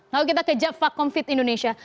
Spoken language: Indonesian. lalu kita ke jaffa confit indonesia